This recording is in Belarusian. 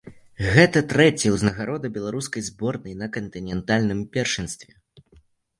Гэта трэцяя ўзнагарода беларускай зборнай на кантынентальным першынстве.